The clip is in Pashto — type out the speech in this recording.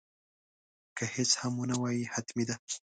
که هیڅ هم ونه وایې حتمي ده.